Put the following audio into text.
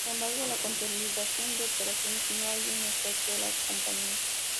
Sin embargo, la consolidación de operaciones no hay un efecto de la compañía.